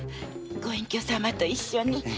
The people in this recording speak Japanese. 御隠居様と一緒に？